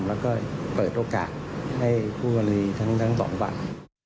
แล้วก็เปิดโอกาสให้คู่กรณีทั้งสองฝั่ง